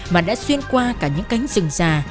mà đã xuyên qua cả những cánh rừng già